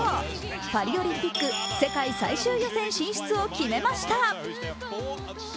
パリオリンピック世界最終予選進出を決めました。